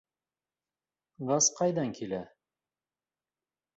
Газ ҡайҙан килә?